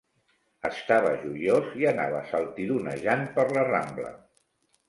Estava joiós i anava saltironejant per la rambla.